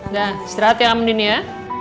udah istirahat ya andin ya